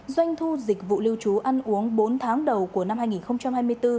doanh thu dịch vụ lưu trú ăn uống bốn tháng đầu của năm hai nghìn hai mươi bốn